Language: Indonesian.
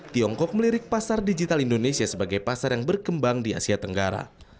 tiongkok melirik pasar digital indonesia sebagai pasar yang berkembang di asia tenggara